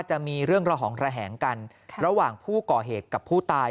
จะมีเรื่องระหองระแหงกันระหว่างผู้ก่อเหตุกับผู้ตาย